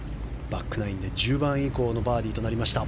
バックナインで１０番以降のバーディーとなりました。